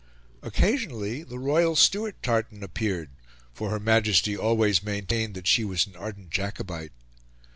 Occasionally the Royal Stuart tartan appeared, for Her Majesty always maintained that she was an ardent Jacobite.